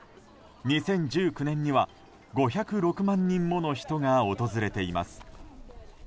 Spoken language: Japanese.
２０１９年には５０６万人もの人が訪れています。